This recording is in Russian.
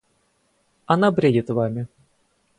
Она бредит вами.